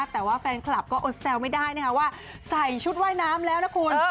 แต่ว่าแฟนคลับก็อดแซวไม่ได้นะคะว่าใส่ชุดว่ายน้ำแล้วนะคุณ